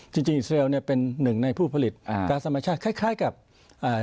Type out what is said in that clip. จริงจริงอิสราเอลเนี่ยเป็นหนึ่งในผู้ผลิตอ่าการธรรมชาติคล้ายคล้ายกับอ่า